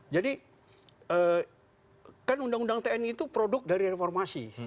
jadi kan undang undang tni itu produk dari reformasi